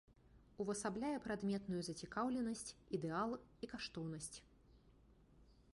Увасабляе прадметную зацікаўленасць, ідэал і каштоўнасць.